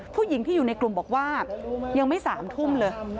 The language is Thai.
ผู้หญิงที่อยู่ในกลุ่มบอกว่ายังไม่๓ทุ่มเลย